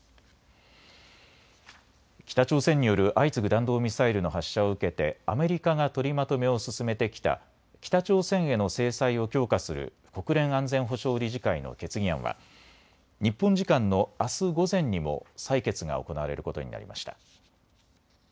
北朝鮮による相次ぐ弾道ミサイルの発射を受けてアメリカが取りまとめを進めてきた北朝鮮への制裁を強化する国連安全保障理事会の決議案は日本時間のあす午前にも採決が行われることになりました。